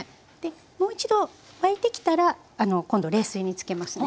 もう一度沸いてきたら今度冷水に漬けますね。